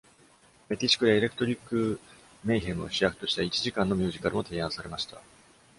「メキシコで Electric Mayhem を主役とした一時間のミュージカル」も、提案されました。